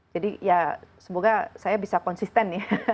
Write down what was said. jadi ya semoga saya bisa konsisten ya